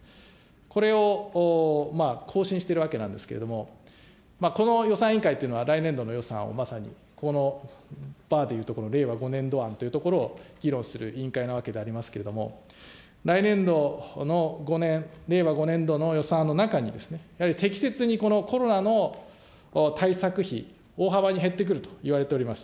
これを更新しているわけなんですけども、この予算委員会というのは、来年度の予算をまさに、このバーでいうところの令和５年度案でいうところを議論する委員会なわけでありますけれども、来年度の５年、令和５年度の予算の中に、やはり適切にコロナの対策費、大幅に減ってくるといわれております。